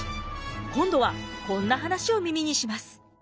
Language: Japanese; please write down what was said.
今度はこんな話を耳にします。